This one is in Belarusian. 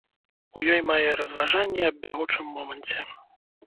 У ёй мае разважанні аб бягучым моманце.